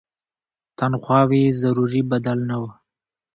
تنخواوې یې ضروري بدل نه وو.